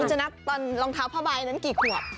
จะนัดตอนรองเท้าผ้าใบนั้นกี่ขวบ